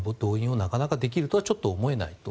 なかなかできるとはちょっと思えない。